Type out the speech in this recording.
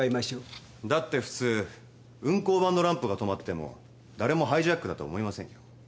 だって普通運行盤のランプが止まってもだれもハイジャックだとは思いませんよ。